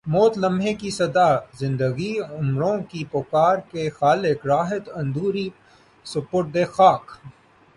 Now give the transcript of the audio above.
موت لمحے کی صدا زندگی عمروں کی پکار کے خالق راحت اندوری سپرد خاک